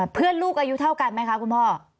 ลูกอายุเท่ากันไหมคะคุณพ่อ